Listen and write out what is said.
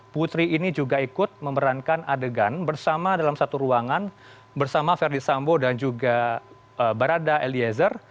putri ini juga ikut memerankan adegan bersama dalam satu ruangan bersama verdi sambo dan juga barada eliezer